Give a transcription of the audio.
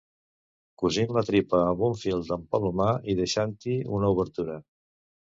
cosint la tripa amb un fil d'empalomar i deixant-hi una obertura